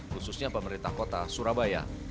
khususnya pemerintah kota surabaya